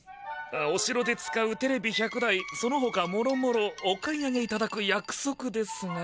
おしろで使うテレビ１００台そのほかもろもろお買い上げいただくやくそくですが。